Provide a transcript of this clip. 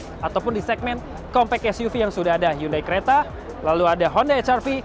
yang kuat di kelas ataupun di segmen compact suv yang sudah ada hyundai creta lalu ada honda hr v